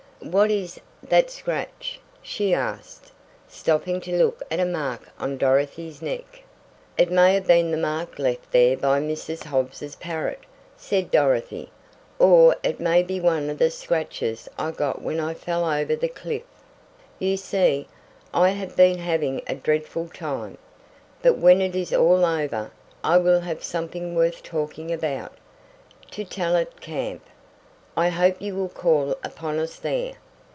"What is that scratch?" she asked, stopping to look at a mark on Dorothy's neck. "It may have been the mark left there by Mrs. Hobbs' parrot," said Dorothy, "or it may be one of the scratches I got when I fell over the cliff. You see, I have been having a dreadful time. But when it is all over I will have something worth talking about, to tell at camp. I hope you will call upon us there.